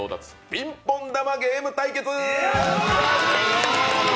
ピンポン玉ゲーム対決！